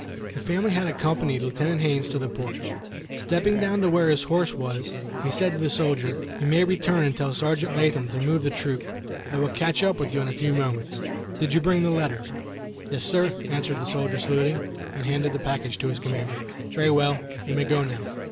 The family had accompanied Lieutenant Haines to the porch. Stepping down to where his horse was, he said to the soldier, "You may return and tell Sergeant Latham to move the troop. I will catch up with you in a few moments. Did you bring the letters?" "Yes, sir," answered the soldier, saluting, and handing the package to his commander. "Very well, you may go now."